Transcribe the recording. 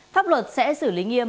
pháp luật sẽ xử lý nghiêm